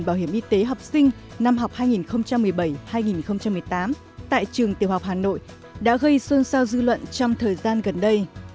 bảo hiểm y tế học sinh năm học hai nghìn một mươi bảy hai nghìn một mươi tám tại trường tiểu học hà nội đã gây xôn xao dư luận trong thời gian gần đây